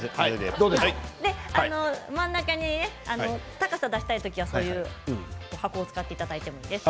真ん中に高さを出したい時には箱を使っていただいてもいいです。